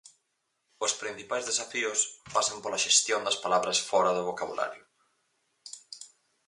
Os principais desafíos pasan pola xestión das palabras fóra do vocabulario.